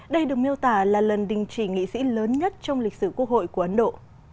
đây được miêu tả là lần đình chỉ nghị sĩ lớn nhất trong lịch sử quốc hội của ấn độ